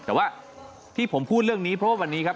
แต่ว่าที่ผมพูดเรื่องนี้เพราะว่าวันนี้ครับ